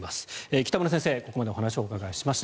北村先生、ここまでお話をお伺いしました。